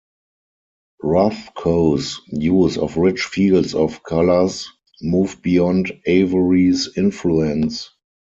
Rothko's use of rich fields of colors moved beyond Avery's influence.